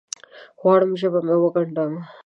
غواړم ژبه مې وګنډم